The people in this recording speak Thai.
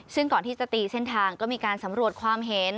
ซึ่งก่อนที่จะตีเส้นทางก็มีการสำรวจความเห็น